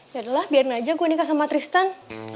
ya udah lah biarin aja gue nikah sama tristan